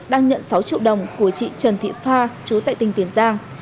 đang nhận sáu triệu đồng của chị trần thị pha chú tại tỉnh tiền giang